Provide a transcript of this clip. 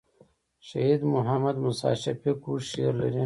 شهید محمد موسي شفیق اوږد شعر لري.